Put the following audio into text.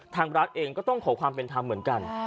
ทางรัฐเองก็ต้องขอความเป็นธรรมเหมือนกัน